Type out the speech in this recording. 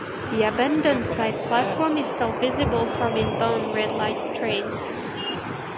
The abandoned side platform is still visible from inbound Red Line trains.